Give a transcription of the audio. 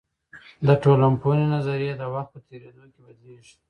د ټولنپوهني نظريې د وخت په تیریدو کې بدلیږي.